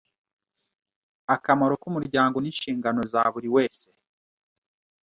akamaro k’umuryango n’inshingano za buri wese